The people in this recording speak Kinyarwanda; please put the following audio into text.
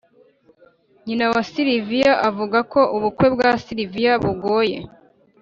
nyina wa sylvia avuga ko ubukwe bwa sylvia bigoye